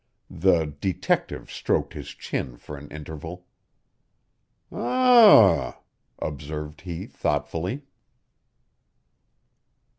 The detective stroked his chin for an interval. "U m!" observed he thoughtfully.